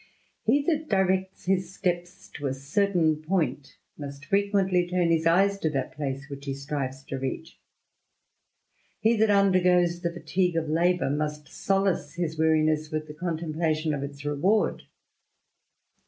He that directs his steps to a certain point, most frequently turn his eyes to that place which he strives to reach ; he that undergoes the fatigue of labour must solace his weariness with the contemplation of its reward.